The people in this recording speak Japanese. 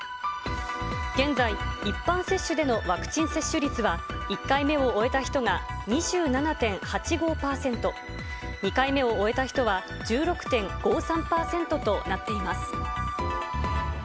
現在、一般接種でのワクチン接種率は、１回目を終えた人が２７．８５％。２回目を終えた人は１６．５３％となっています。